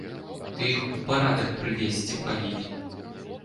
Ты іх у парадак прывесці павінен.